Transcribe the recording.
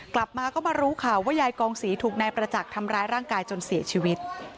กลับมาก็มารู้ข่าวว่ายายกองศรีถูกนายประจักษ์ทำร้ายร่างกายจนเสียชีวิต